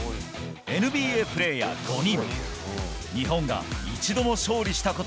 ＮＢＡプレーヤー５人。